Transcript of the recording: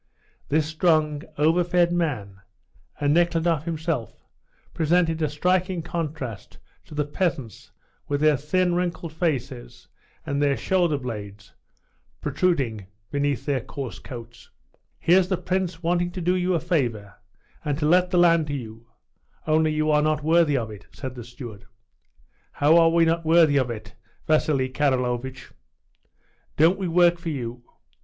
This strong, over fed man, and Nekhludoff himself, presented a striking contrast to the peasants, with their thin, wrinkled faces and the shoulder blades protruding beneath their coarse coats. "Here's the Prince wanting to do you a favor, and to let the land to you; only you are not worthy of it," said the steward. "How are we not worthy of it, Vasili Karlovitch? Don't we work for you?